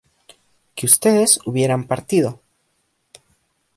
que ustedes hubieran partido